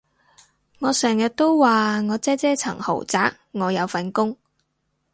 我成日都話我姐姐層豪宅我有份供